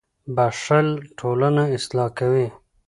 • بښل ټولنه اصلاح کوي.